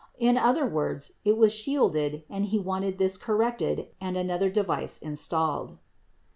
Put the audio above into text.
In other words, it was shielded and he wanted this corrected and another device installed."